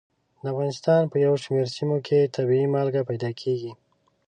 د افغانستان په یو شمېر سیمو کې طبیعي مالګه پیدا کېږي.